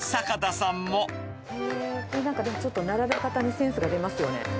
これなんかちょっと、並べ方にセンスが出ますよね。